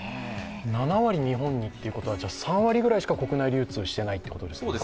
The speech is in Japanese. ７割日本にということは、３割ぐらいしか国内流通していないということですか？